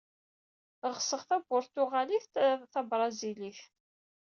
Xseɣ Taburtuɣalit tabṛazilit.